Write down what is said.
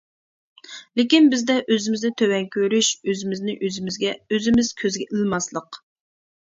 لېكىن بىزدە ئۆزىمىزنى تۆۋەن كۆرۈش، ئۆزىمىزنى-ئۆزىمىز كۆزگە ئىلماسلىق.